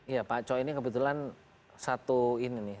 iya pak co ini kebetulan satu ini nih